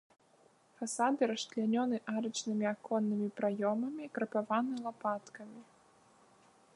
Фасады расчлянёны арачнымі аконнымі праёмамі, крапаваны лапаткамі.